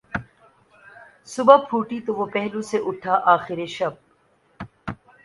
صبح پھوٹی تو وہ پہلو سے اٹھا آخر شب